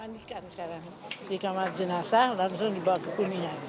di kamar jenazah langsung dibawa ke kuningan